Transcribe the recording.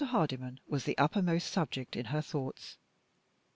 Hardyman was the uppermost subject in her thoughts.